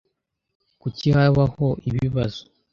Kuki habaho ibibazo?